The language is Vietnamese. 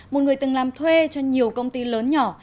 một người từng làm thuê cho nhiều công ty lớn nhỏ